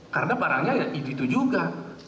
karena barangnya itu juga